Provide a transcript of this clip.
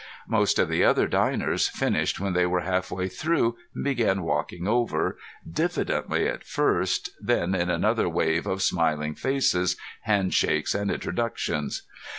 Most of the other diners finished when they were halfway through, and began walking over, diffidently at first, then in another wave of smiling faces, handshakes, and introductions.